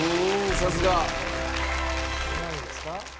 さすが。何位ですか？